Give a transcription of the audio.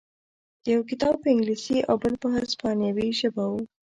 یو کتاب په انګلیسي او بل په هسپانوي ژبه و